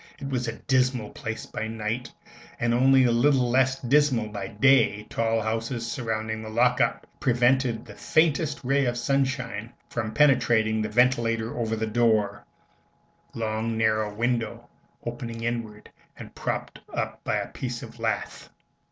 It was a dismal place by night, and only little less dismal by day, tall houses surrounding "the lock up" prevented the faintest ray of sunshine from penetrating the ventilator over the door long narrow window opening inward and propped up by a piece of lath.